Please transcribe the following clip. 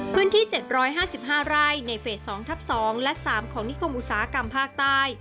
พื้นที่๗๕๕ไร่ในเฟส๒ทับ๒และ๓ของนิคมอุตสาหกรรมภาคใต้